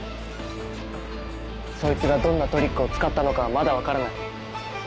そいつがどんなトリックを使ったのかはまだ分からない。